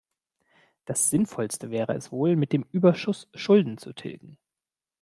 Das Sinnvollste wäre es wohl, mit dem Überschuss Schulden zu tilgen.